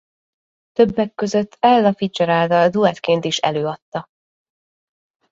Többek között Ella Fitzgeralddal duettként is előadta.